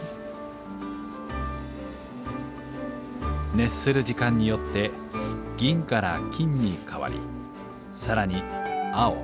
熱する時間によって銀から金に変わり更に青紫